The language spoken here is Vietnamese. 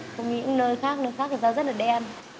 không nghĩ nơi khác nơi khác thì da rất là đen